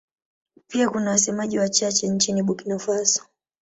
Pia kuna wasemaji wachache nchini Burkina Faso.